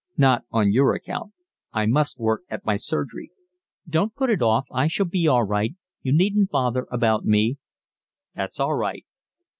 "Not on your account. I must work at my surgery." "Don't put it off. I shall be all right. You needn't bother about me." "That's all right."